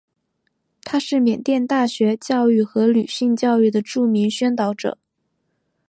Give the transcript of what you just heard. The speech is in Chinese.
他是缅甸大学教育和女性教育的著名宣导者。